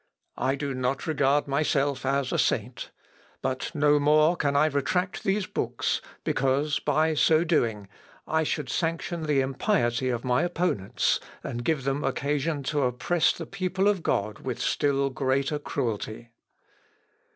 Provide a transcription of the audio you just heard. I do not regard myself as a saint; but no more can I retract these books: because, by so doing, I should sanction the impiety of my opponents, and give them occasion to oppress the people of God with still greater cruelty.